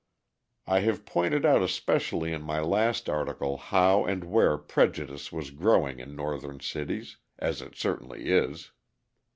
I have pointed out especially in my last article how and where prejudice was growing in Northern cities, as it certainly is.